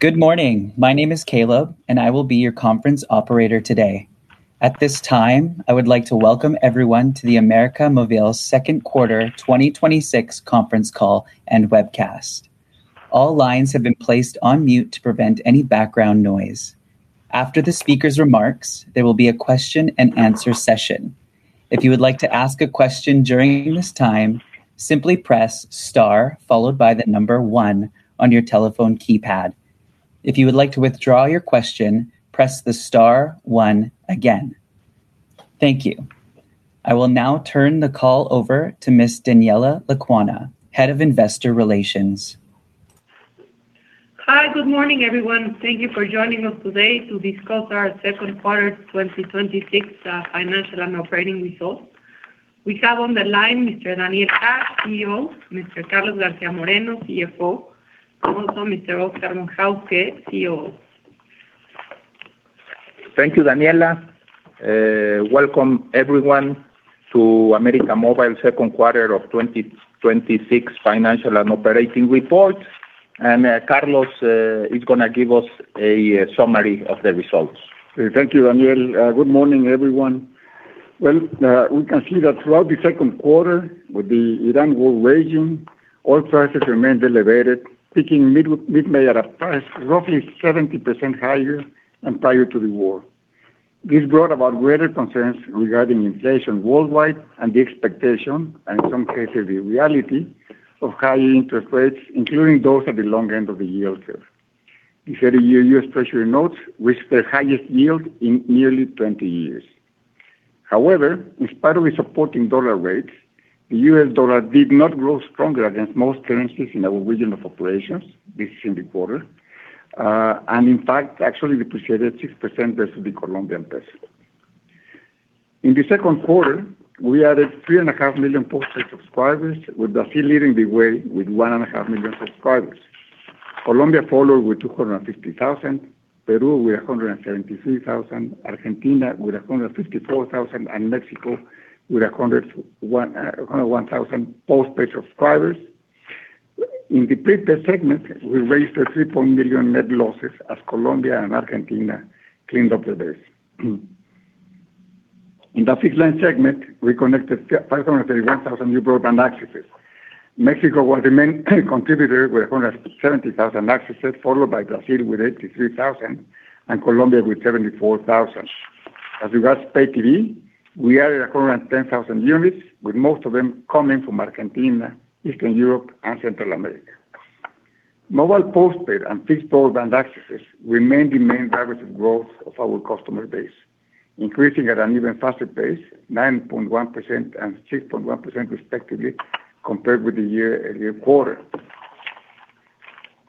Good morning. My name is Caleb, and I will be your conference operator today. At this time, I would like to welcome everyone to the América Móvil Second Quarter 2026 Conference Call and Webcast. All lines have been placed on mute to prevent any background noise. After the speaker's remarks, there will be a question and answer session. If you would like to ask a question during this time, simply press star followed by the number one on your telephone keypad. If you would like to withdraw your question, press the star one again. Thank you. I will now turn the call over to Ms. Daniela Lecuona, Head of Investor Relations. Hi. Good morning, everyone. Thank you for joining us today to discuss our second quarter 2026 financial and operating results. We have on the line Mr. Daniel Hajj, CEO, Mr. Carlos García Moreno, CFO, also Mr. Oscar Von Hauske, COO. Thank you, Daniela. Welcome everyone to América Móvil second quarter of 2026 financial and operating report. Carlos is going to give us a summary of the results. Thank you, Daniel. Good morning, everyone. Well, we can see that throughout the second quarter, with the Iran war raging, oil prices remained elevated, peaking mid-May at a price roughly 70% higher than prior to the war. This brought about greater concerns regarding inflation worldwide and the expectation, and in some cases, the reality of higher interest rates, including those at the long end of the yield curve. The 30-year U.S. Treasury notes reached their highest yield in nearly 20 years. However, in spite of a supporting dollar rate, the U.S. dollar did not grow stronger against most currencies in our region of operations this second quarter. In fact, actually depreciated 6% versus the Colombian peso. In the second quarter, we added 3.5 million postpaid subscribers, with Brazil leading the way with 1.5 million subscribers. Colombia followed with 250,000, Peru with 173,000, Argentina with 154,000, and Mexico with 101,000 postpaid subscribers. In the prepaid segment, we raised 3 million net losses as Colombia and Argentina cleaned up the base. In the fixed-line segment, we connected 531,000 new broadband accesses. Mexico was the main contributor with 170,000 accesses, followed by Brazil with 83,000 and Colombia with 74,000. As regards Pay TV, we added 110,000 units, with most of them coming from Argentina, Eastern Europe, and Central America. Mobile postpaid and fixed broadband accesses remain the main drivers of growth of our customer base, increasing at an even faster pace, 9.1% and 6.1% respectively, compared with the year earlier quarter.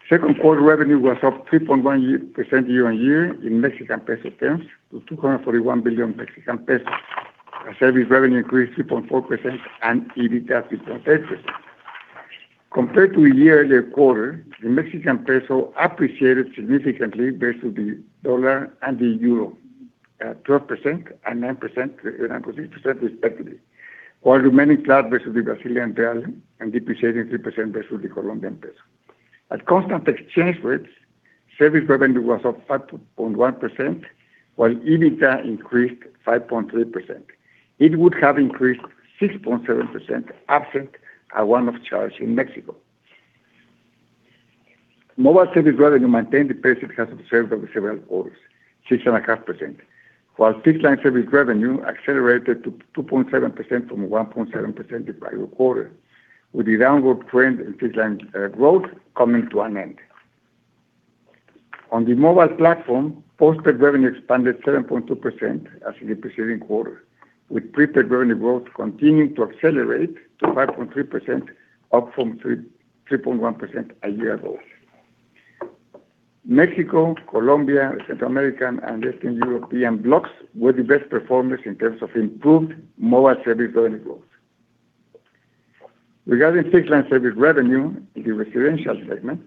Second quarter revenue was up 3.1% year-on-year in MXN terms to 241 billion Mexican pesos. Our service revenue increased 3.4% and EBITDA 3.8%. Compared to a year-earlier quarter, the Mexican peso appreciated significantly versus the USD and the EUR at 12% and 9% respectively. While remaining flat versus the BRL and depreciating 3% versus the COP. At constant exchange rates, service revenue was up 5.1%, while EBITDA increased 5.3%. It would have increased 6.7% absent a one-off charge in Mexico. Mobile service revenue maintained the pace it has observed over several quarters, 6.5%, while fixed-line service revenue accelerated to 2.7% from 1.7% the prior quarter, with the downward trend in fixed-line growth coming to an end. On the mobile platform, postpaid revenue expanded 7.2% as in the preceding quarter, with prepaid revenue growth continuing to accelerate to 5.3%, up from 3.1% a year ago. Mexico, Colombia, Central America, and Eastern European blocks were the best performers in terms of improved mobile service revenue growth. Regarding fixed-line service revenue in the residential segment,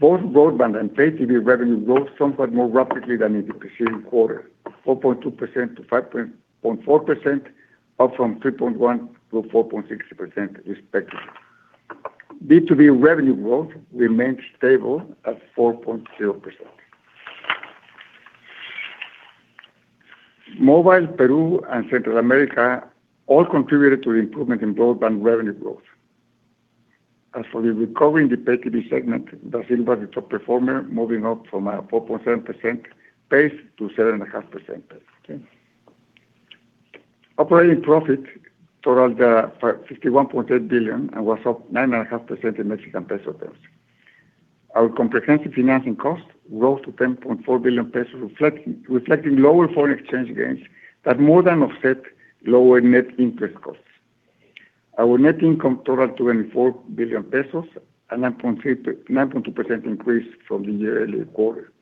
both broadband and Pay TV revenue growth somewhat more rapidly than in the preceding quarter, 4.2%-5.4%, up from 3.1%-4.6% respectively. B2B revenue growth remained stable at 4.0%. Mobile, Peru, and Central America all contributed to the improvement in broadband revenue growth. As for the recovery in the Pay TV segment, Brazil was the top performer, moving up from a 4.7% pace to 7.5% pace. Operating profit totaled 51.8 billion and was up 9.5% in MXN terms. Our comprehensive financing cost rose to 10.4 billion pesos, reflecting lower foreign exchange gains that more than offset lower net interest costs. Our net income totaled 24 billion pesos, a 9.2% increase from the year-earlier quarter.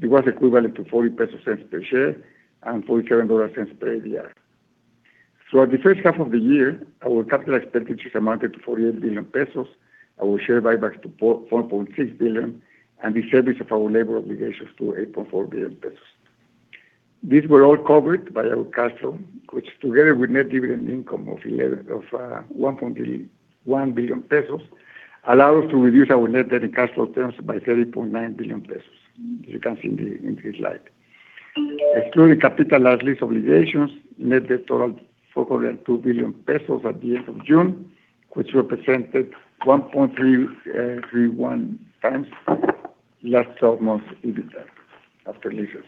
It was equivalent to 0.40 per share and $0.47 per ADR. Throughout the first half of the year, our capital expenditures amounted to 48 billion pesos, our share buybacks to 4.6 billion, and the service of our labor obligations to 8.4 billion pesos. These were all covered by our cash flow, which together with net dividend income of 1.1 billion pesos, allow us to reduce our net debt in cash flow terms by 3.9 billion pesos. You can see in this slide. Excluding capitalized lease obligations, net debt totaled 402 billion pesos at the end of June, which represented 1.31 times last 12 months EBITDA after leases.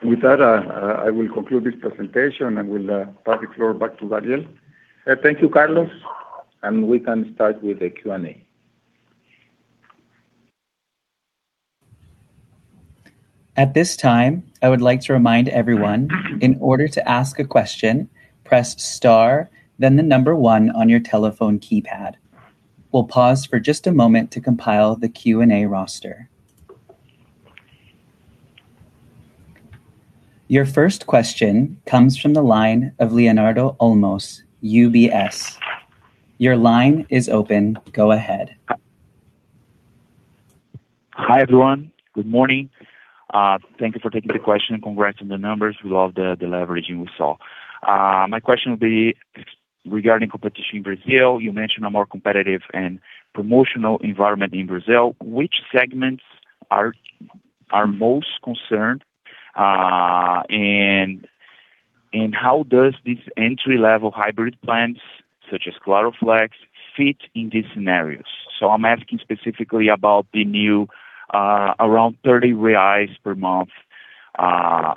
With that, I will conclude this presentation and will pass the floor back to Daniel. Thank you, Carlos, and we can start with the Q&A. At this time, I would like to remind everyone, in order to ask a question, press star then the number one on your telephone keypad. We'll pause for just a moment to compile the Q&A roster. Your first question comes from the line of Leonardo Olmos, UBS. Your line is open. Go ahead. Hi, everyone. Good morning. Thank you for taking the question and congrats on the numbers. We love the leveraging we saw. My question would be regarding competition in Brazil. You mentioned a more competitive and promotional environment in Brazil. Which segments are most concerned? How does these entry-level hybrid plans, such as Claro Flex, fit in these scenarios? I'm asking specifically about the new around 30 reais per month,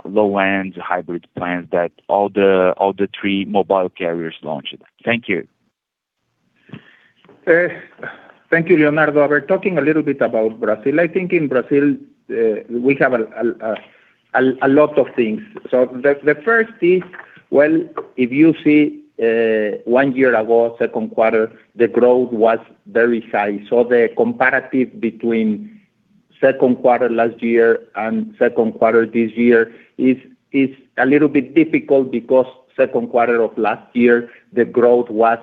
low-end hybrid plans that all the three mobile carriers launched. Thank you. Thank you, Leonardo. We're talking a little bit about Brazil. I think in Brazil, we have a lot of things. The first is, well, if you see one year ago, second quarter, the growth was very high. The comparative between second quarter last year and second quarter this year is a little bit difficult because second quarter of last year, the growth was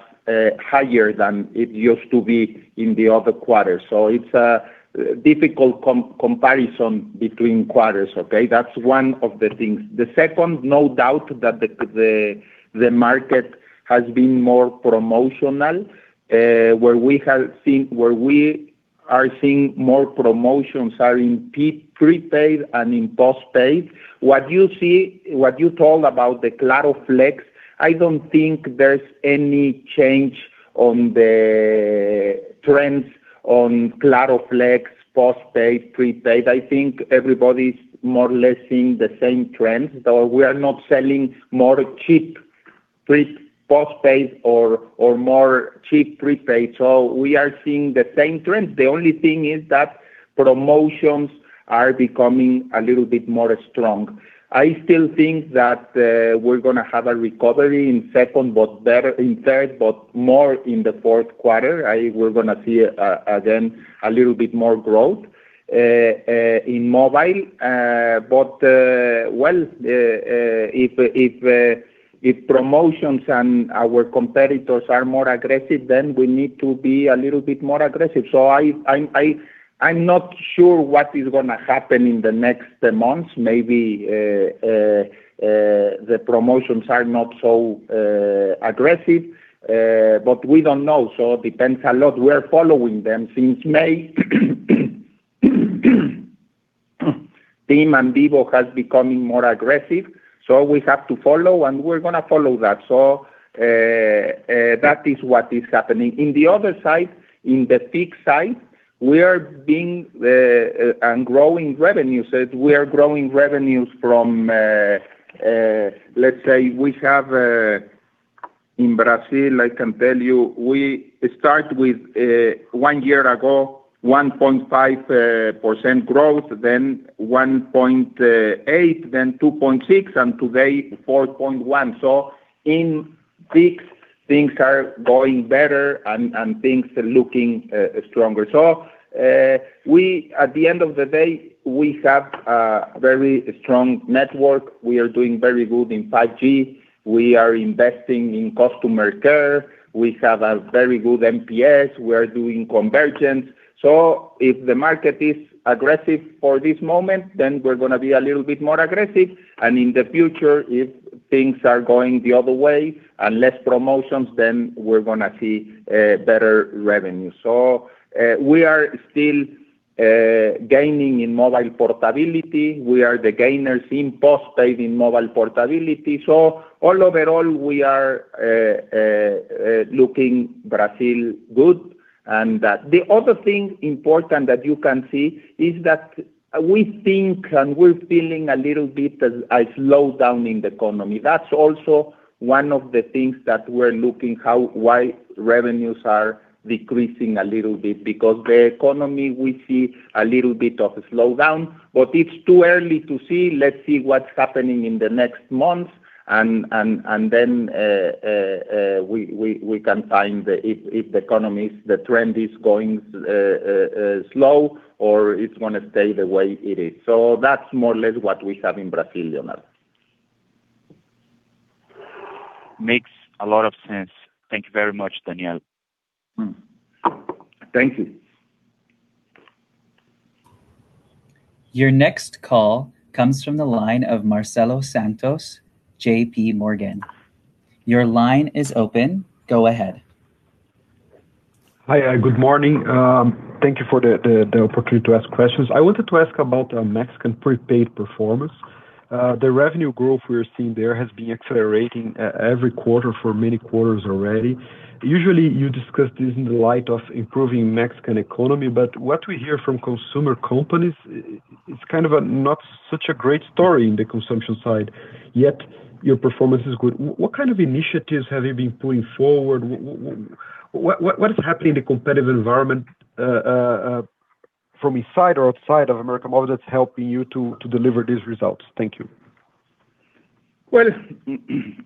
higher than it used to be in the other quarters. It's a difficult comparison between quarters. Okay? That's one of the things. The second, no doubt that the market has been more promotional. Where we are seeing more promotions are in prepaid and in postpaid. What you told about the Claro Flex, I don't think there's any change on the trends on Claro Flex, postpaid, prepaid. I think everybody's more or less seeing the same trends. We are not selling more cheap postpaid or more cheap prepaid. We are seeing the same trends. The only thing is that promotions are becoming a little bit more strong. I still think that we're going to have a recovery in second, but in third, but more in the fourth quarter. We're going to see again a little bit more growth in mobile. If promotions and our competitors are more aggressive, we need to be a little bit more aggressive. I'm not sure what is going to happen in the next months. Maybe the promotions are not so aggressive. We don't know. It depends a lot. We're following them. Since May TIM and Vivo has becoming more aggressive, we have to follow, and we're going to follow that. That is what is happening. In the other side, in the fixed side, we are being and growing revenues. We are growing revenues from, let's say we have in Brazil, I can tell you, we start with one year ago, 1.5% growth, then 1.8, then 2.6, and today 4.1. In fixed, things are going better and things are looking stronger. At the end of the day, we have a very strong network. We are doing very good in 5G. We are investing in customer care. We have a very good NPS. We are doing convergence. If the market is aggressive for this moment, we're going to be a little bit more aggressive. In the future, if things are going the other way and less promotions, we're going to see better revenue. We are still gaining in mobile portability. We are the gainers in postpaid in mobile portability. All overall, we are looking Brazil good. The other thing important that you can see is that we think, and we're feeling a little bit a slowdown in the economy. That's also one of the things that we're looking how, why revenues are decreasing a little bit because the economy, we see a little bit of a slowdown. It's too early to see. Let's see what's happening in the next months, we can find if the economy, the trend is going slow or it's going to stay the way it is. That's more or less what we have in Brazil, Leonardo. Makes a lot of sense. Thank you very much, Daniel. Thank you. Your next call comes from the line of Marcelo Santos, JPMorgan. Your line is open. Go ahead. Hi, good morning. Thank you for the opportunity to ask questions. I wanted to ask about Mexican prepaid performance. The revenue growth we are seeing there has been accelerating every quarter for many quarters already. Usually, you discuss this in the light of improving Mexican economy, but what we hear from consumer companies, it's kind of not such a great story on the consumption side, yet your performance is good. What kind of initiatives have you been putting forward? What is happening in the competitive environment from inside or outside of América Móvil that's helping you to deliver these results? Thank you. Well,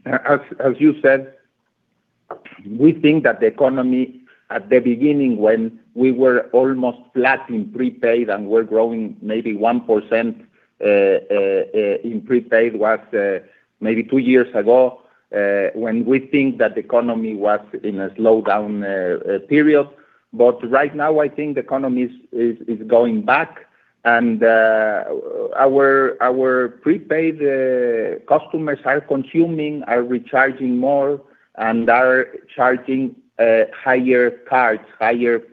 as you said, we think that the economy at the beginning, when we were almost flat in prepaid and were growing maybe 1% in prepaid, was maybe two years ago, when we think that the economy was in a slowdown period. Right now, I think the economy is going back and our prepaid customers are consuming, are recharging more, and are charging higher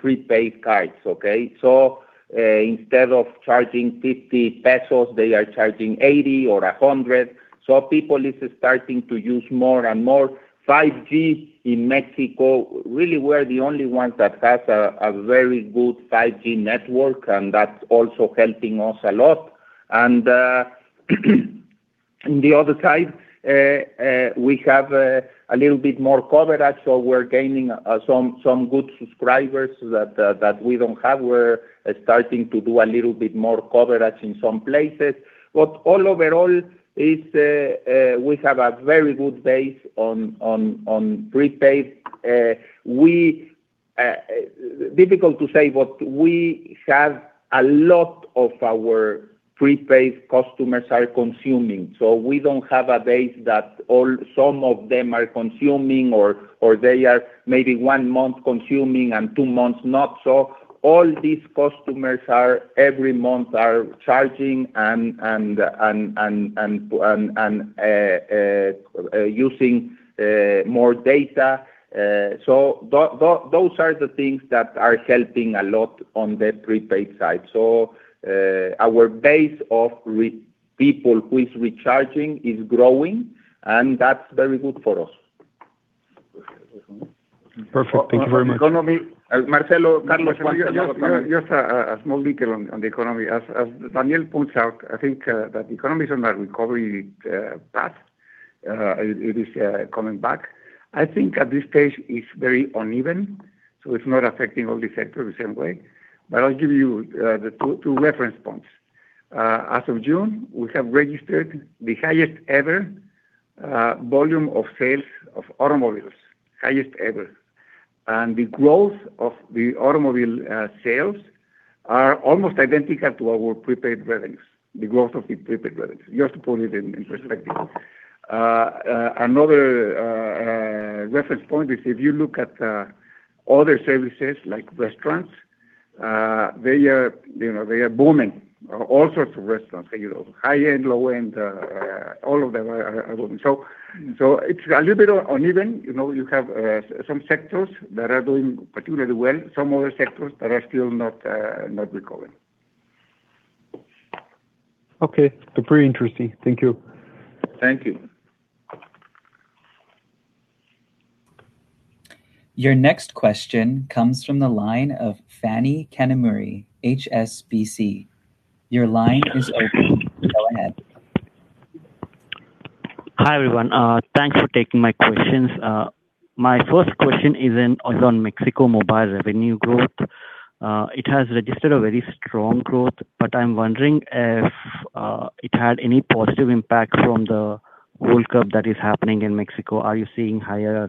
prepaid cards, okay? Instead of charging 50 pesos, they are charging 80 or 100. People are starting to use more and more. 5G in Mexico, really we're the only ones that have a very good 5G network, and that's also helping us a lot. The other side, we have a little bit more coverage, so we're gaining some good subscribers that we didn't have. We're starting to do a little bit more coverage in some places. Overall, we have a very good base on prepaid. Difficult to say, we have a lot of our prepaid customers are consuming. We don't have a base that some of them are consuming, or they are maybe one month consuming and two months not. All these customers every month are charging and using more data. Those are the things that are helping a lot on the prepaid side. Our base of people who is recharging is growing, and that's very good for us. Perfect. Thank you very much. Just a small detail on the economy. As Daniel points out, I think that the economy is on a recovery path. It is coming back. I think at this stage, it's very uneven, it's not affecting all the sectors the same way. I'll give you the two reference points. As of June, we have registered the highest ever volume of sales of automobiles. Highest ever. The growth of the automobile sales are almost identical to our prepaid revenues. The growth of the prepaid revenues. Just to put it in perspective. Another reference point is if you look at other services like restaurants, they are booming. All sorts of restaurants, high-end, low-end, all of them are booming. It's a little bit uneven. You have some sectors that are doing particularly well, some other sectors that are still not recovering. Okay. Pretty interesting. Thank you. Thank you. Your next question comes from the line of Phani Kanumuri, HSBC. Your line is open. Go ahead. Hi, everyone. Thanks for taking my questions. My first question is on Mexico mobile revenue growth. It has registered a very strong growth. I'm wondering if it had any positive impact from the World Cup that is happening in Mexico. Are you seeing higher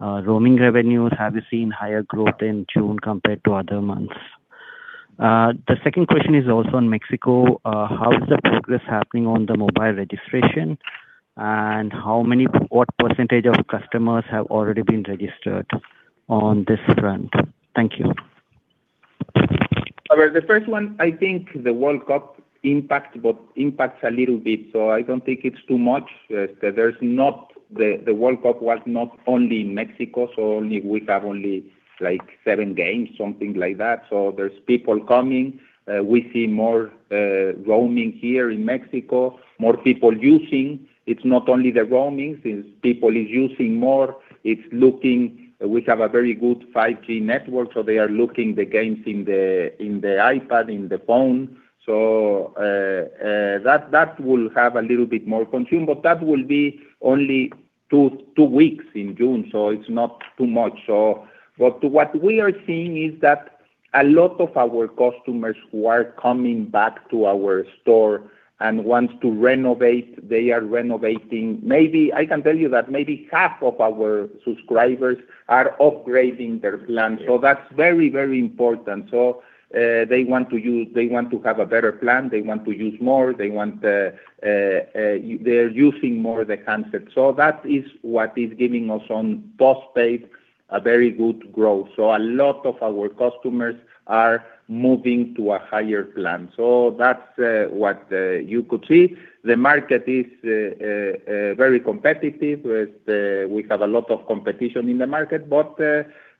roaming revenues? Have you seen higher growth in June compared to other months? The second question is also on Mexico. How is the progress happening on the mobile registration, what % of customers have already been registered on this front? Thank you. The first one, I think the World Cup impacts a little bit. I don't think it's too much. The World Cup was not only in Mexico, we have only seven games, something like that. There's people coming. We see more roaming here in Mexico, more people using. It's not only the roaming, since people are using more, it's looking. We have a very good 5G network, they are looking the games in the iPad, in the phone. That will have a little bit more consume. That will be only two weeks in June, it's not too much. What we are seeing is that a lot of our customers who are coming back to our store and want to renovate, they are renovating. I can tell you that maybe half of our subscribers are upgrading their plan. That's very important. They want to have a better plan. They want to use more. They're using more the concept. That is what is giving us on postpaid a very good growth. A lot of our customers are moving to a higher plan. That's what you could see. The market is very competitive. We have a lot of competition in the market.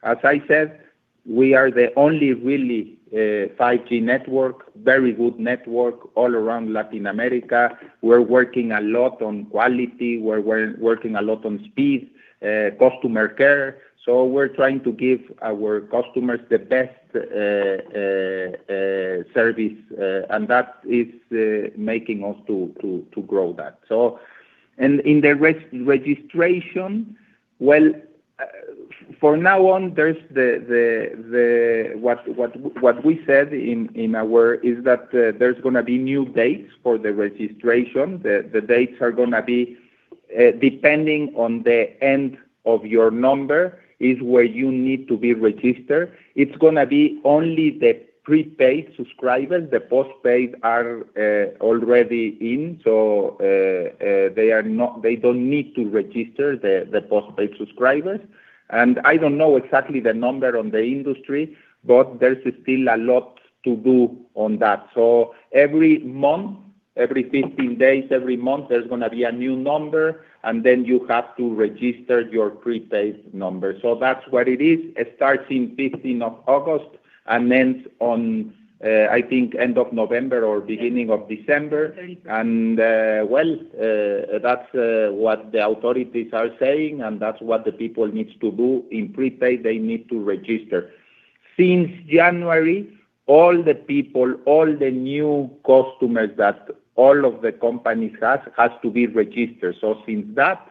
As I said, we are the only really 5G network, very good network all around Latin America. We're working a lot on quality, we're working a lot on speed, customer care. We're trying to give our customers the best service, and that is making us to grow that. In the registration, well, from now on, what we said is that there's going to be new dates for the registration. The dates are going to depend on the end of your number is where you need to be registered. It's going to be only the prepaid subscribers. The postpaid are already in. They don't need to register the postpaid subscribers. I don't know exactly the number on the industry, but there's still a lot to do on that. Every 15 days, every month, there's going to be a new number, and then you have to register your prepaid number. That's what it is. It starts in 15th of August and ends on, I think, end of November or beginning of December. That's what the authorities are saying, and that's what the people need to do in prepaid. They need to register. Since January, all the people, all the new customers that all of the companies have to be registered. Since that,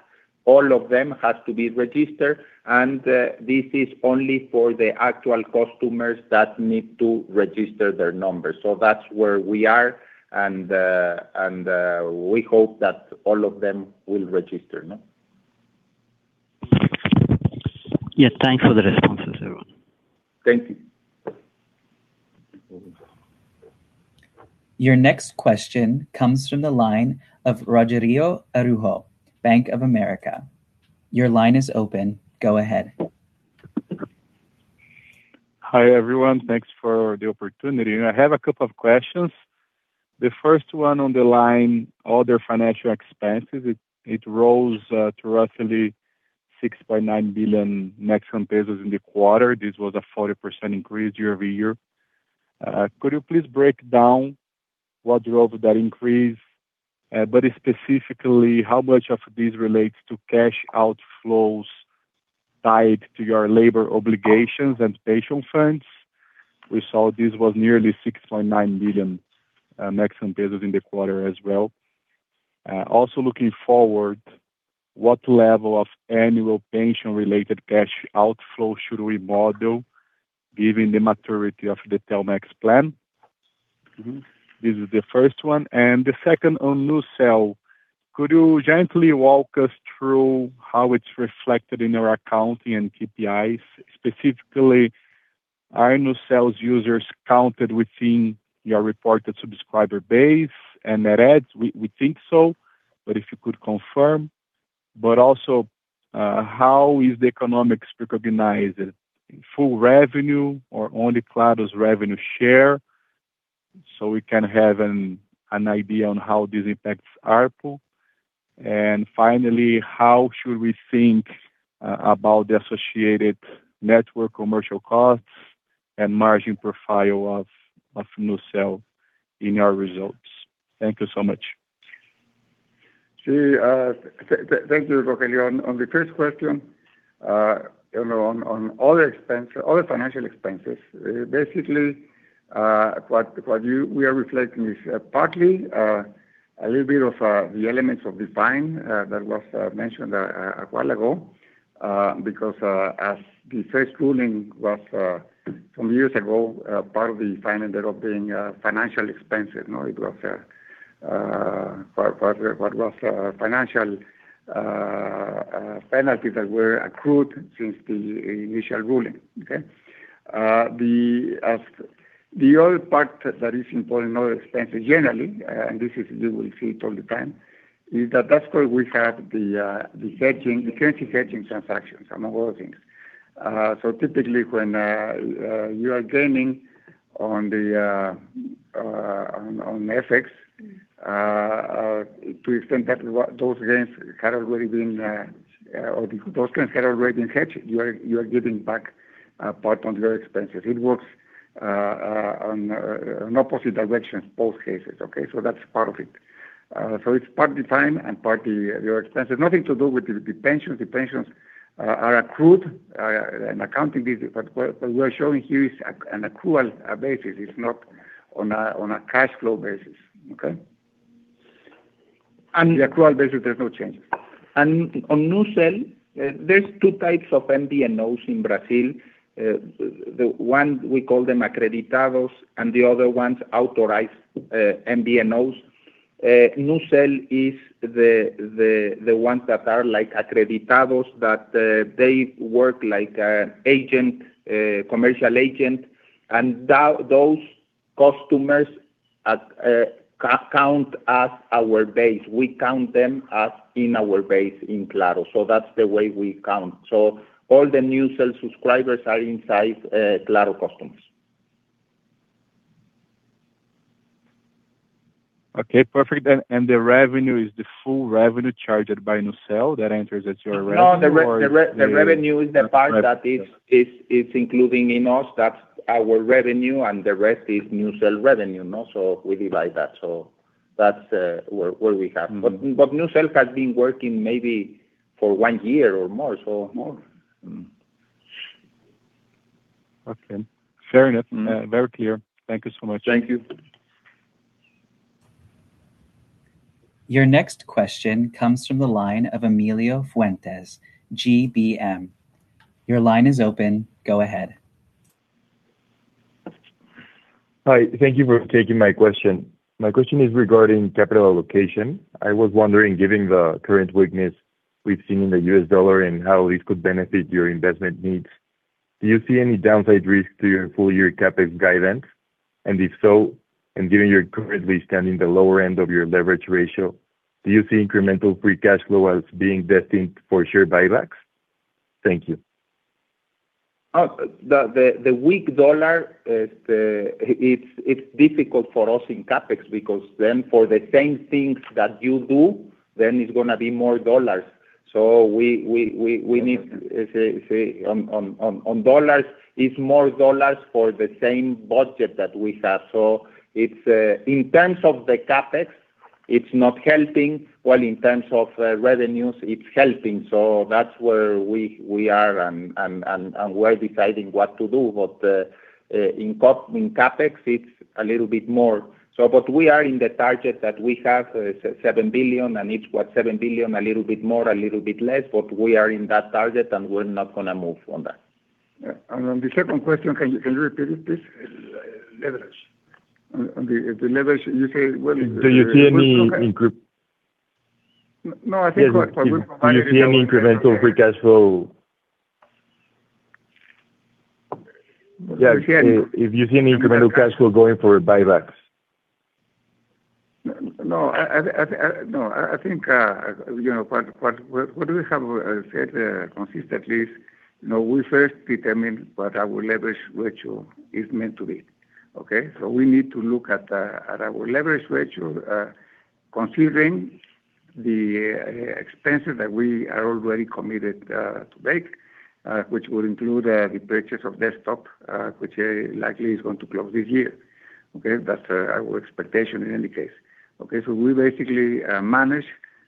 all of them have to be registered, and this is only for the actual customers that need to register their numbers. That's where we are, and we hope that all of them will register. Yeah. Thanks for the responses, everyone. Thank you. Your next question comes from the line of Rogerio Araujo, Bank of America. Your line is open. Go ahead. Hi, everyone. Thanks for the opportunity. I have a couple of questions. The first one on the line, other financial expenses, it rose to roughly 6.9 billion pesos in the quarter. This was a 40% increase year-over-year. Could you please break down what drove that increase? Specifically, how much of this relates to cash outflows tied to your labor obligations and pension funds? We saw this was nearly 6.9 billion pesos in the quarter as well. Also looking forward, what level of annual pension-related cash outflow should we model given the maturity of the Telmex plan? This is the first one. The second on NuCel. Could you gently walk us through how it's reflected in your accounting and KPIs? Specifically, are NuCel's users counted within your reported subscriber base and net adds? We think so, but if you could confirm. Also, how is the economics recognized? In full revenue or only Claro's revenue share? We can have an idea on how this impacts ARPU. Finally, how should we think about the associated network commercial costs and margin profile of NuCel in our results? Thank you so much. Sure. Thank you, Rogerio. On the first question, on all the financial expenses, basically, what we are reflecting is partly a little bit of the elements of the fine that was mentioned a while ago. Because as the first ruling was some years ago, part of the fine ended up being a financial expense. It was a financial penalty that were accrued since the initial ruling. Okay? The other part that is important, another expense generally, and this you will see it all the time, is that that's why we have the currency hedging transactions, among other things. Typically, when you are gaining on FX, to the extent that those gains had already been hedged, you are giving back part on your expenses. It works on opposite directions both cases. Okay? That's part of it. It's part the fine and part your expense. It's nothing to do with the pensions. The pensions are accrued, an accounting visit. What we are showing here is an accrual basis. It's not on a cash flow basis. Okay? The actual business, there's no change. On NuCel, there's two types of MVNOs in Brazil. One, we call them acreditados, and the other one's authorized MVNOs. NuCel is the ones that are acreditados, that they work like a commercial agent. Those customers count as our base. We count them as in our base in Claro. That's the way we count. All the NuCel subscribers are inside Claro customers. Okay, perfect. The revenue is the full revenue charged by NuCel? That enters as your revenue. No, the revenue is the part that is including in us. That's our revenue, and the rest is NuCel revenue. We divide that. That's where we have. NuCel has been working maybe for one year or more. More. Okay. Fair enough. Very clear. Thank you so much. Thank you. Your next question comes from the line of Emilio Fuentes, GBM. Your line is open. Go ahead. Hi, thank you for taking my question. My question is regarding capital allocation. I was wondering, given the current weakness we've seen in the US dollar and how this could benefit your investment needs, do you see any downside risk to your full-year CapEx guidance? If so, and given you're currently standing the lower end of your leverage ratio, do you see incremental free cash flow as being destined for share buybacks? Thank you. The weak dollar, it's difficult for us in CapEx because for the same things that you do, it's going to be more dollars. We need, say, on dollars, it's more dollars for the same budget that we have. In terms of the CapEx, it's not helping. In terms of revenues, it's helping. That's where we are, and we're deciding what to do. In CapEx, it's a little bit more so. We are in the target that we have, $7 billion, and it's what, $7 billion, a little bit more, a little bit less, but we are in that target and we're not gonna move on that. On the second question, can you repeat it, please? Leverage. On the leverage, you say. Do you see any? No, I think what. Do you see any incremental free cash flow? Yeah. If you see any incremental cash flow going for buybacks. No, I think what we have said consistently is, we first determine what our leverage ratio is meant to be. Okay? We need to look at our leverage ratio, considering the expenses that we are already committed to make, which will include the purchase of Desktop, which likely is going to close this year. Okay? That's our expectation in any case. Okay, we basically manage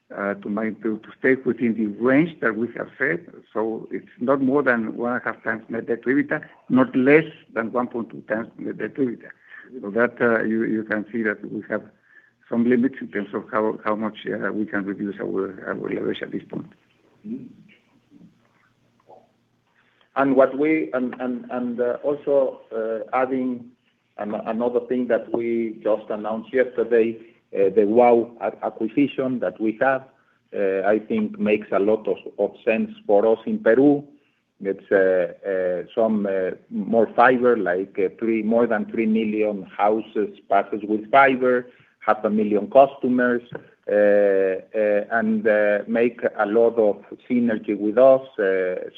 to stay within the range that we have said. It's not more than 1.5 times net debt to EBITDA, not less than 1.2 times net debt to EBITDA. That you can see that we have some limits in terms of how much we can reduce our leverage at this point. Also adding another thing that we just announced yesterday, the WOW acquisition that we have, I think makes a lot of sense for us in Peru. It's some more fiber, more than 3 million houses passes with fiber, 0.5 million customers, and make a lot of synergy with us. We're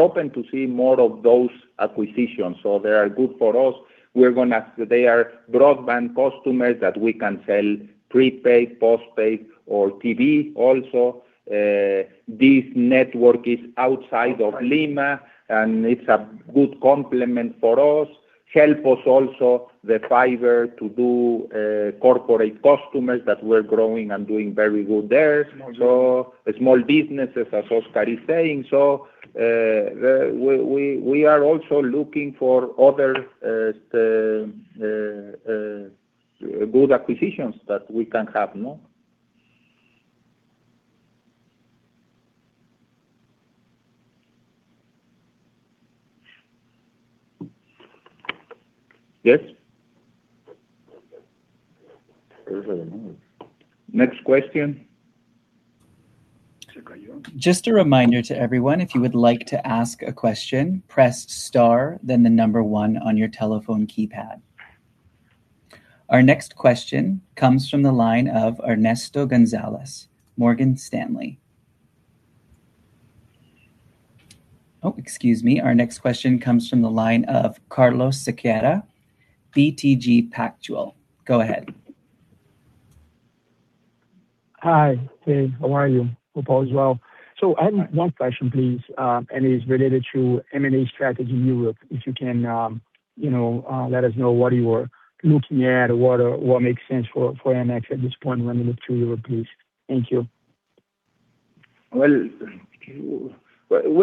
open to see more of those acquisitions. They are good for us. They are broadband customers that we can sell prepaid, postpaid, or TV also. This network is outside of Lima, and it's a good complement for us. Help us also, the fiber to do corporate customers that we're growing and doing very good there. Small businesses. Small businesses, as Oscar is saying. We are also looking for other good acquisitions that we can have. Next question. Just a reminder to everyone, if you would like to ask a question, press star, then the number one on your telephone keypad. Our next question comes from the line of Ernesto González, Morgan Stanley. Oh, excuse me. Our next question comes from the line of Carlos Sequeira, BTG Pactual. Go ahead. Hi. Hey, how are you? Hope all is well. I have one question, please, and it's related to M&A strategy in Europe. If you can let us know what you are looking at, what makes sense for AMX at this point when we look to Europe, please. Thank you. We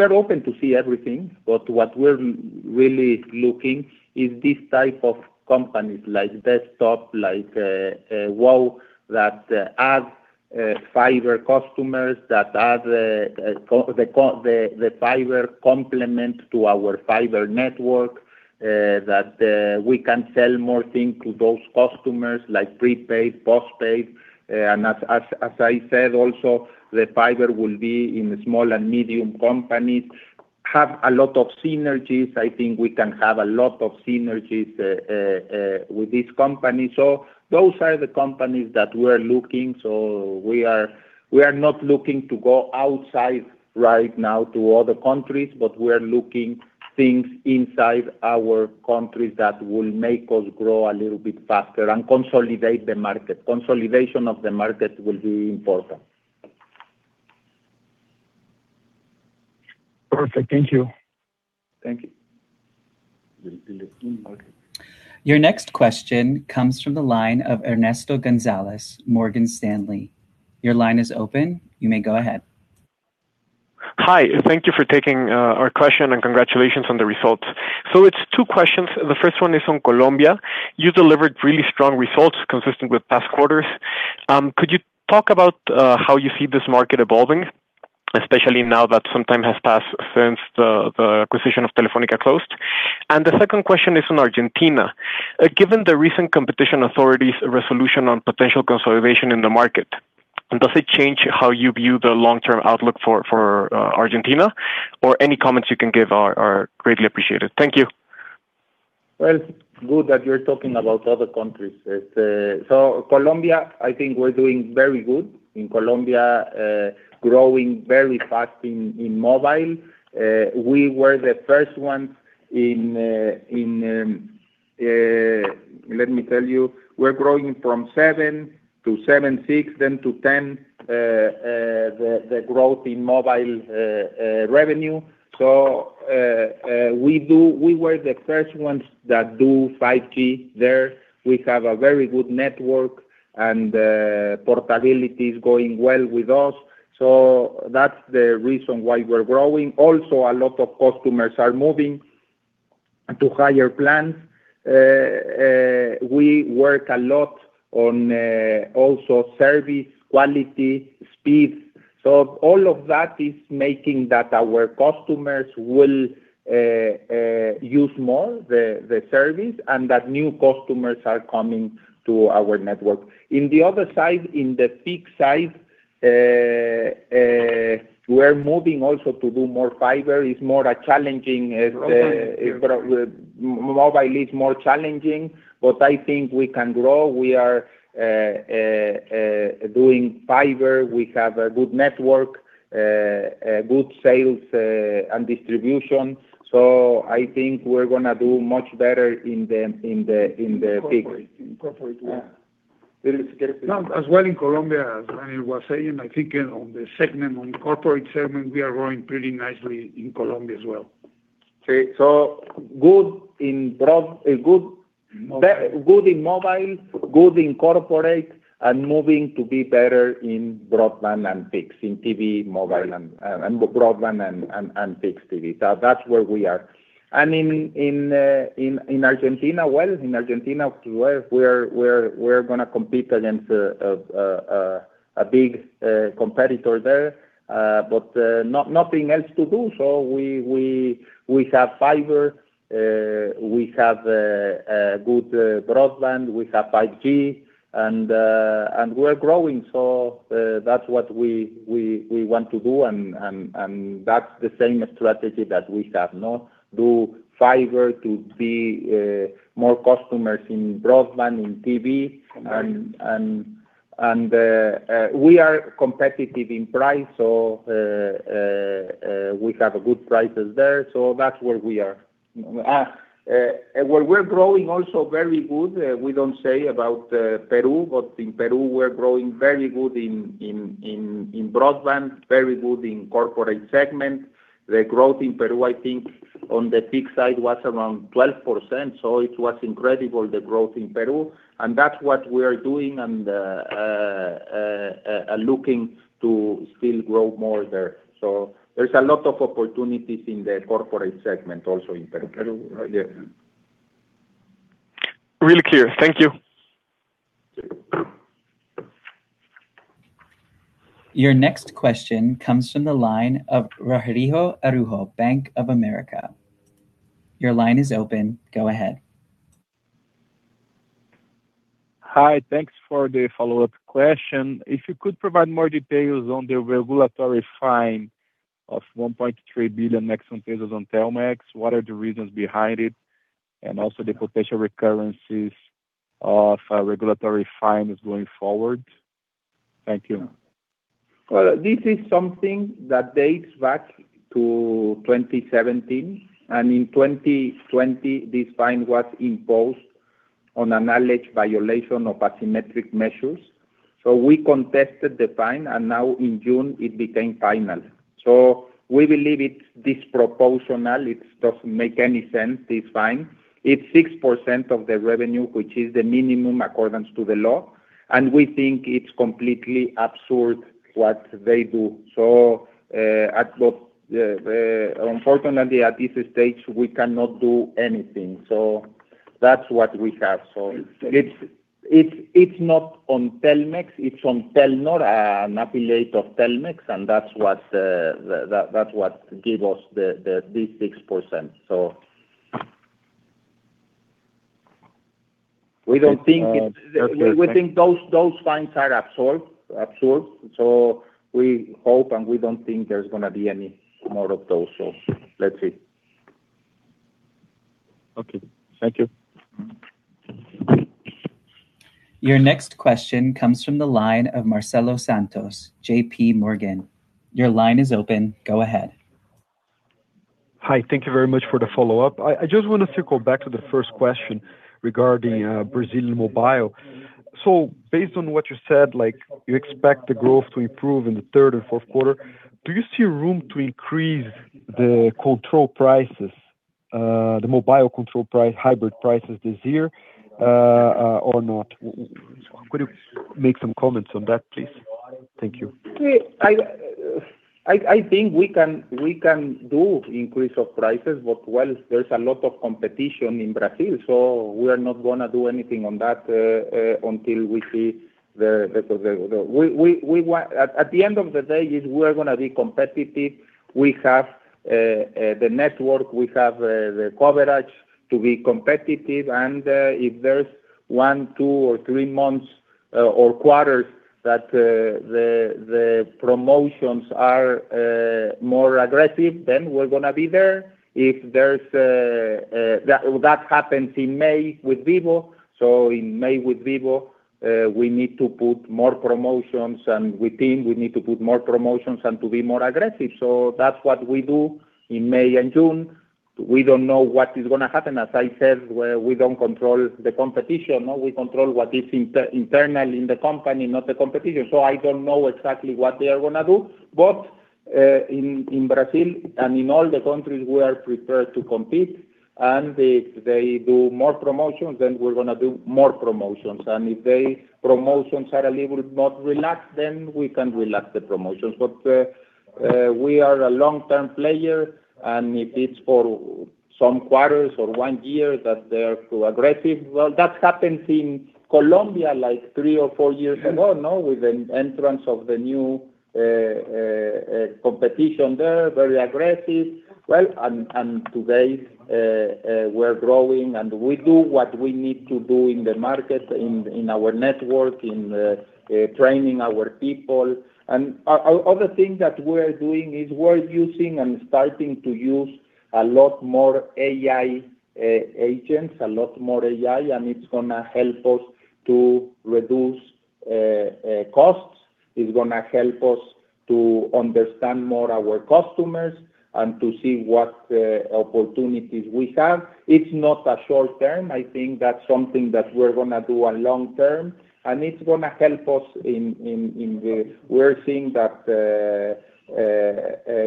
are open to see everything, but what we're really looking is this type of companies like Desktop, like WOW, that add fiber customers, that add the fiber complement to our fiber network, that we can sell more things to those customers, like prepaid, postpaid. As I said also, the fiber will be in the small and medium companies, have a lot of synergies. I think we can have a lot of synergies with this company. Those are the companies that we're looking. We are not looking to go outside right now to other countries, but we are looking things inside our country that will make us grow a little bit faster and consolidate the market. Consolidation of the market will be important. Perfect. Thank you. Thank you. Your next question comes from the line of Ernesto González, Morgan Stanley. Your line is open. You may go ahead. Hi, thank you for taking our question and congratulations on the results. It's two questions. The first one is on Colombia. You delivered really strong results consistent with past quarters. Could you talk about how you see this market evolving, especially now that some time has passed since the acquisition of Telefónica closed? The second question is on Argentina. Given the recent competition authorities resolution on potential consolidation in the market, does it change how you view the long-term outlook for Argentina? Any comments you can give are greatly appreciated. Thank you. Well, good that you're talking about other countries. Colombia, I think we're doing very good in Colombia, growing very fast in mobile. Let me tell you, we're growing from seven to 7.6, then to 10, the growth in mobile revenue. We were the first ones that do 5G there. We have a very good network, and portability is going well with us. That's the reason why we're growing. Also, a lot of customers are moving to higher plans. We work a lot on also service quality, speed. All of that is making that our customers will use more the service and that new customers are coming to our network. In the other side, in the fixed side, we're moving also to do more fiber. It's more challenging. Broadband. Mobile is more challenging, but I think we can grow. We are doing fiber. We have a good network, good sales, and distribution. I think we're going to do much better in the fixed. In corporate. In Colombia, as I was saying, I think on the corporate segment, we are growing pretty nicely in Colombia as well. Good in mobile, good in corporate, and moving to be better in broadband and fixed, in TV, mobile, and fixed TV. That's where we are. In Argentina, well, in Argentina, we're going to compete against a big competitor there. Nothing else to do, so we have fiber, we have good broadband, we have 5G, and we're growing. That's what we want to do, and that's the same strategy that we have. Do fiber to be more customers in broadband, in TV, and we are competitive in price. We have good prices there. That's where we are. Well, we're growing also very good. We don't say about Peru, but in Peru we're growing very good in broadband, very good in corporate segment. The growth in Peru, I think, on the fixed side was around 12%, it was incredible the growth in Peru, and that's what we are doing and are looking to still grow more there. There's a lot of opportunities in the corporate segment also in Peru. Really clear. Thank you. Your next question comes from the line of Rogerio Araujo, Bank of America. Your line is open. Go ahead. Hi. Thanks for the follow-up question. If you could provide more details on the regulatory fine of 1.3 billion pesos on Telmex, what are the reasons behind it, and also the potential recurrences of regulatory fines going forward? Thank you. Well, this is something that dates back to 2017, and in 2020, this fine was imposed on an alleged violation of asymmetric measures. We contested the fine, and now in June it became final. We believe it's disproportional. It doesn't make any sense, this fine. It's 6% of the revenue, which is the minimum accordance to the law, and we think it's completely absurd what they do. Unfortunately, at this stage, we cannot do anything. That's what we have. It's not on Telmex, it's on Telnor, an affiliate of Telmex, and that's what give us this 6%. We think those fines are absurd. We hope, and we don't think there's going to be any more of those. Let's see. Okay. Thank you. Your next question comes from the line of Marcelo Santos, JPMorgan. Your line is open. Go ahead. Hi. Thank you very much for the follow-up. I just wanted to go back to the first question regarding Brazilian mobile. Based on what you said, you expect the growth to improve in the third and fourth quarter. Do you see room to increase the control prices, the mobile control price, hybrid prices this year or not? Could you make some comments on that, please? Thank you. I think we can do increase of prices. There's a lot of competition in Brazil, so we're not going to do anything on that until we see. At the end of the day, if we're going to be competitive, we have the network, we have the coverage to be competitive, and if there's one, two, or three months or quarters that the promotions are more aggressive, then we're going to be there. If that happens in May with Vivo, in May with Vivo, we need to put more promotions, and we think we need to put more promotions and to be more aggressive. That's what we do in May and June. We don't know what is going to happen. As I said, we don't control the competition. We control what is internal in the company, not the competition. I don't know exactly what they are going to do. In Brazil and in all the countries, we are prepared to compete, and if they do more promotions, then we're going to do more promotions. If their promotions are a little not relaxed, then we can relax the promotions. We are a long-term player, and if it's for some quarters or one year that they're too aggressive, well, that happened in Colombia three or four years ago with the entrance of the new competition there, very aggressive. Today, we're growing, and we do what we need to do in the market, in our network, in training our people. Other thing that we are doing is we're using and starting to use a lot more AI agents, a lot more AI, and it's going to help us to reduce costs. It's going to help us to understand more our customers and to see what opportunities we have. It's not a short-term. I think that's something that we're going to do on long-term, and it's going to help us. We're seeing that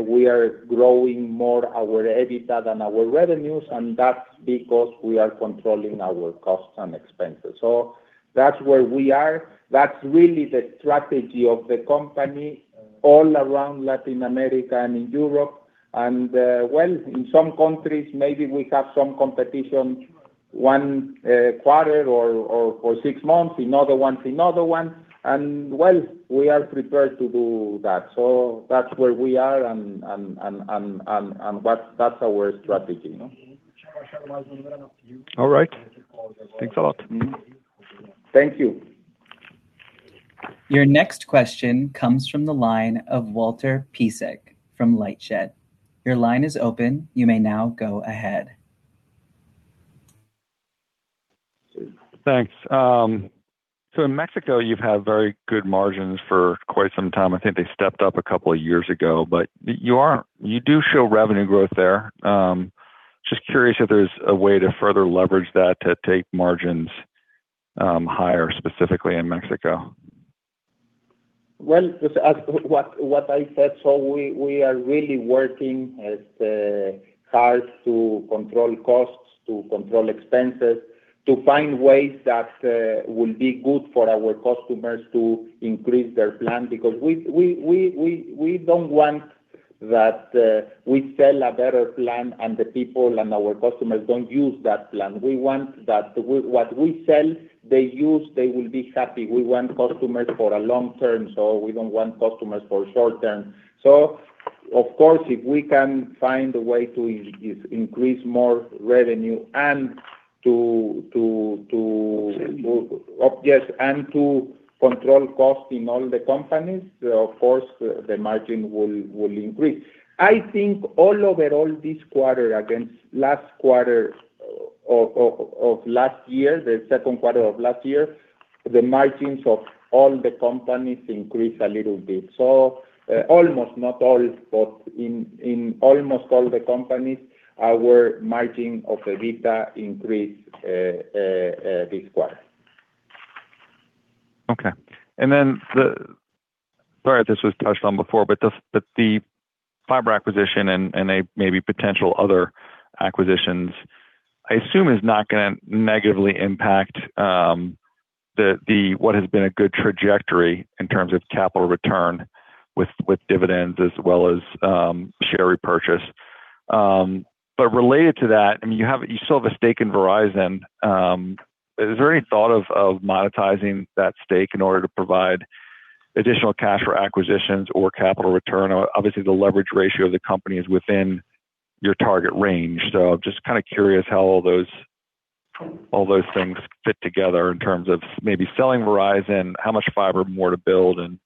we are growing more our EBITDA than our revenues, and that's because we are controlling our costs and expenses. That's where we are. That's really the strategy of the company all around Latin America and in Europe. Well, in some countries, maybe we have some competition, one quarter or for six months, another one, another one, and, well, we are prepared to do that. That's where we are, and that's our strategy. All right. Thanks a lot. Thank you. Your next question comes from the line of Walter Piecyk from LightShed Partners. Your line is open. You may now go ahead. Thanks. In Mexico, you've had very good margins for quite some time. I think they stepped up a couple of years ago. You do show revenue growth there. Just curious if there's a way to further leverage that to take margins higher, specifically in Mexico. Well, what I said, we are really working as hard to control costs, to control expenses, to find ways that will be good for our customers to increase their plan, because we don't want that we sell a better plan and the people and our customers don't use that plan. We want that what we sell, they use, they will be happy. We want customers for a long-term, we don't want customers for short-term. Of course, if we can find a way to increase more revenue and Yes, and to control cost in all the companies, of course, the margin will increase. I think all over all this quarter against last quarter of last year, the second quarter of last year, the margins of all the companies increased a little bit. Almost, not all, but in almost all the companies, our margin of EBITDA increased this quarter. Okay. Sorry if this was touched on before, but the fiber acquisition and maybe potential other acquisitions, I assume is not going to negatively impact what has been a good trajectory in terms of capital return with dividends as well as share repurchase. Related to that, you still have a stake in Verizon. Is there any thought of monetizing that stake in order to provide additional cash for acquisitions or capital return? Obviously, the leverage ratio of the company is within your target range. Just curious how all those things fit together in terms of maybe selling Verizon, how much fiber more to build and,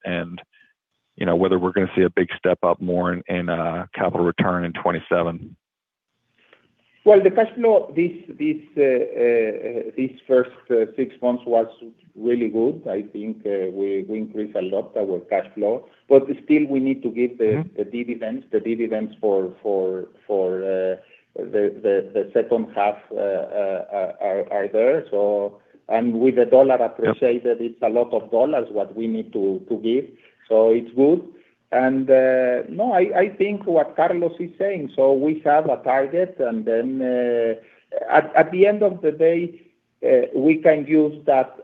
whether we're going to see a big step up more in capital return in 2027. Well, the cash flow this first six months was really good. I think we increased a lot our cash flow. Still we need to give the dividends. The dividends for the second half are there. And with the dollar appreciated, it's a lot of dollars what we need to give. It's good. No, I think what Carlos is saying, we have a target, and then at the end of the day, we can use that.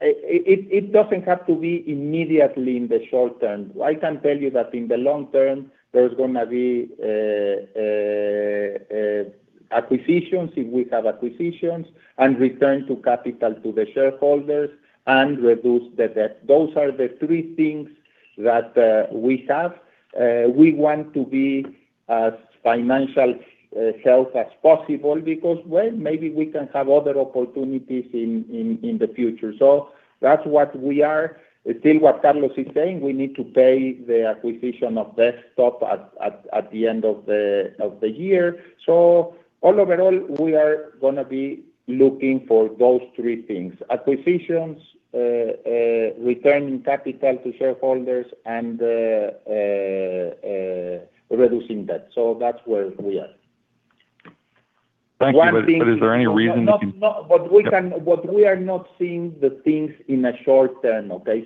It doesn't have to be immediately in the short term. I can tell you that in the long term, there's going to be acquisitions, if we have acquisitions, and return to capital to the shareholders and reduce the debt. Those are the three things that we have. We want to be as financially sound as possible because, well, maybe we can have other opportunities in the future. That's what we are. Still what Carlos is saying, we need to pay the acquisition of Desktop at the end of the year. All overall, we are going to be looking for those three things, acquisitions, returning capital to shareholders, and reducing debt. That's where we are. Thank you. Is there any reason? We are not seeing the things in a short term, okay?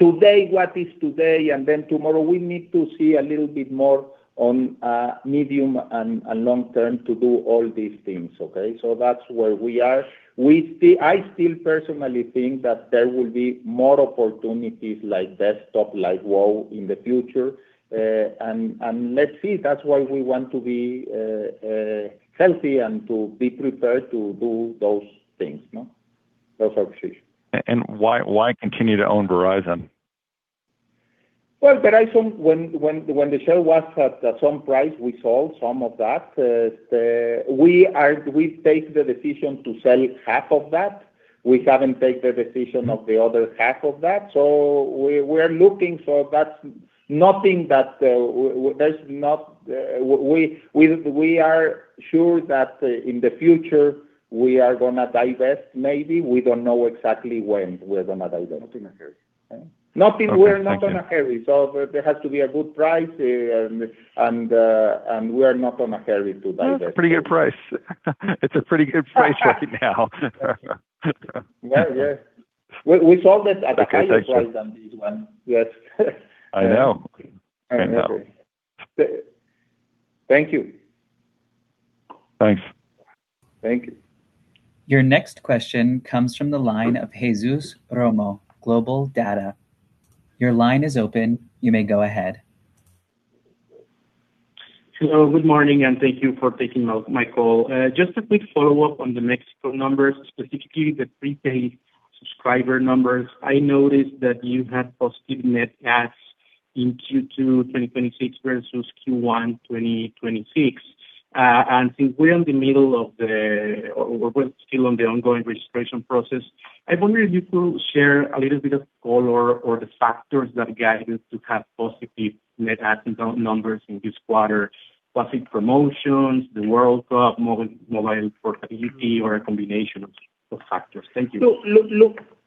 Today, what is today and tomorrow, we need to see a little bit more on a medium and long term to do all these things, okay? That's where we are. I still personally think that there will be more opportunities like Desktop, like WOW in the future. Let's see, that's why we want to be healthy and to be prepared to do those things, no? Those acquisitions. Why continue to own Verizon? Well, Verizon, when the share was at some price, we sold some of that. We take the decision to sell half of that. We haven't take the decision of the other half of that. We are looking, we are sure that in the future we are going to divest, maybe. We don't know exactly when we're going to divest. Not in a hurry. We're not going to hurry. There has to be a good price. We're not going to hurry to divest. It's a pretty good price. It's a pretty good price right now. Yeah. We sold it at a higher price than this one. I know. Thank you. Thanks. Thank you. Your next question comes from the line of Jesús Romo, GlobalData. Your line is open. You may go ahead. Hello, good morning, and thank you for taking my call. Just a quick follow-up on the Mexico numbers, specifically the prepaid subscriber numbers. I noticed that you had positive net adds in Q2 2026 versus Q1 2026. Since we're in the middle of, or we're still on the ongoing registration process, I wonder if you could share a little bit of color or the factors that guided to have positive net add numbers in this quarter. Was it promotions, the World Cup, mobile portability, or a combination of factors? Thank you.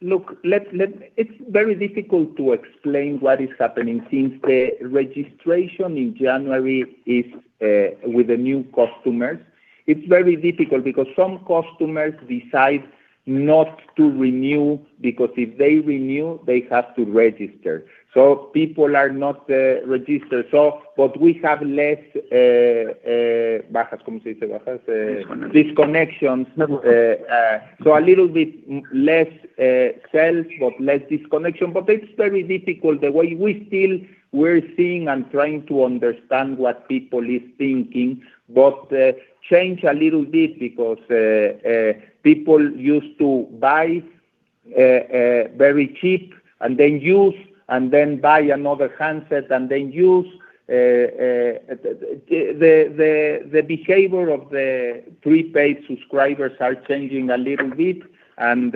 Look, it's very difficult to explain what is happening since the registration in January is with the new customers. It's very difficult because some customers decide not to renew because if they renew, they have to register. People are not registered. We have less disconnections. A little bit less sales, but less disconnection. It's very difficult. The way we're seeing and trying to understand what people is thinking, but change a little bit because people used to buy very cheap and then use and then buy another handset and then use. The behavior of the prepaid subscribers are changing a little bit and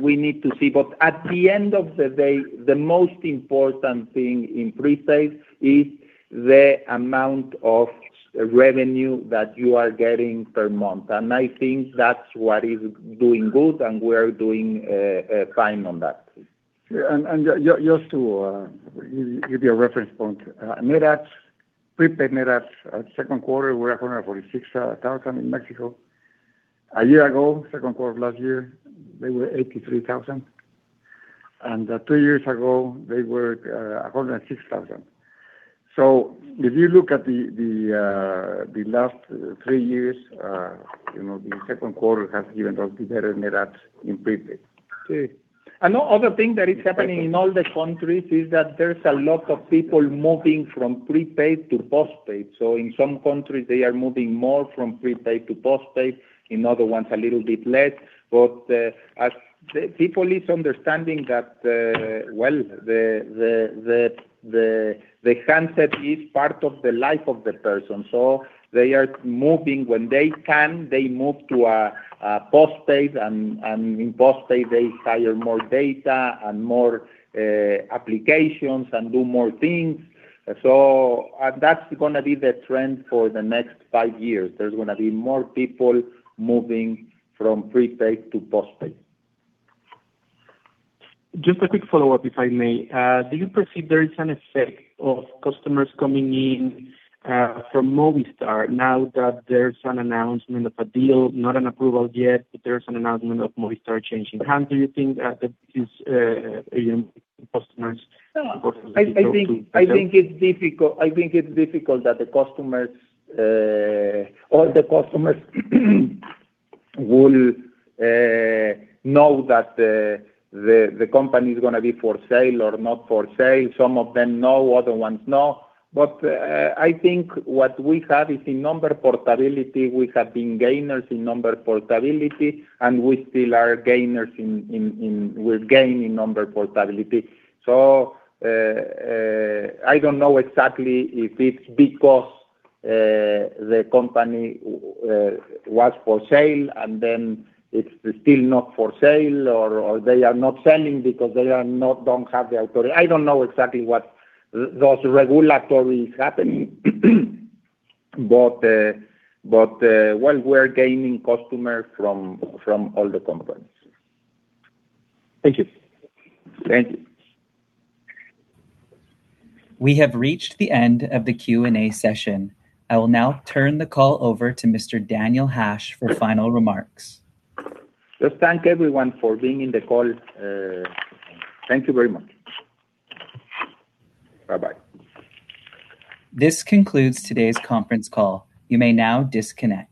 we need to see. At the end of the day, the most important thing in prepaid is the amount of revenue that you are getting per month. I think that's what is doing good, and we are doing fine on that. Yeah, just to give you a reference point, net adds Prepaid net adds at second quarter were 146,000 in Mexico. A year ago, second quarter of last year, they were 83,000, and two years ago they were 106,000. If you look at the last three years, the second quarter has given us the better net adds in prepaid. Another thing that is happening in all the countries is that there's a lot of people moving from prepaid to postpaid. In some countries, they are moving more from prepaid to postpaid, in other ones a little bit less. As people is understanding that, well, the concept is part of the life of the person. They are moving when they can, they move to a postpaid, and in postpaid they hire more data and more applications and do more things. That's going to be the trend for the next five years. There's going to be more people moving from prepaid to postpaid. Just a quick follow-up, if I may. Do you perceive there is an effect of customers coming in from Movistar now that there's an announcement of a deal? Not an approval yet, but there's an announcement of Movistar changing hands. Do you think that this is customers going to stick to América Móvil? No. I think it's difficult that all the customers will know that the company's going to be for sale or not for sale. Some of them know, other ones no. I think what we have is in number portability, we have been gainers in number portability, and we still are gainers in number portability. I don't know exactly if it's because the company was for sale and it's still not for sale, or they are not selling because they don't have the authority. I don't know exactly what those regulator's happen. Well, we're gaining customer from all the companies. Thank you. Thank you. We have reached the end of the Q&A session. I will now turn the call over to Mr. Daniel Hajj for final remarks. Just thank everyone for being in the call. Thank you very much. Bye-bye. This concludes today's conference call. You may now disconnect.